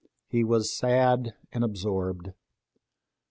He was sad and absorbed.